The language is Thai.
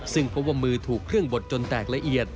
ซึ่งพบว่ามือถูกเครื่องบดจนแตกละเอียด